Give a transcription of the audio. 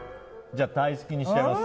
じゃあタイスキにしちゃいます。